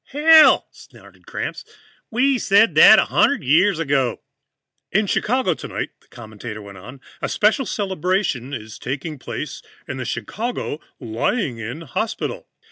"Hell!" snorted Gramps. "We said that a hundred years ago!" "In Chicago tonight," the commentator went on, "a special celebration is taking place in the Chicago Lying in Hospital.